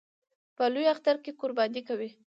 په لوی اختر کې قرباني کوي